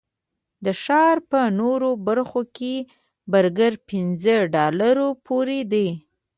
د ښار په نورو برخو کې برګر پنځه ډالرو پورې دي.